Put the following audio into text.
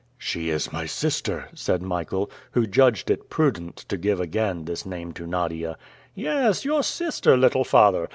"She is my sister," said Michael, who judged it prudent to give again this name to Nadia. "Yes, your sister, little father!